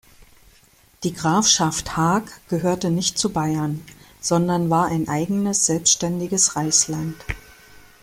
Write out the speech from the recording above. Die Grafschaft Haag gehörte nicht zu Bayern, sondern war ein eigenes selbständiges Reichsland.